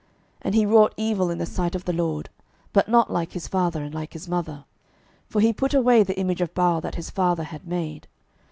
12:003:002 And he wrought evil in the sight of the LORD; but not like his father, and like his mother: for he put away the image of Baal that his father had made.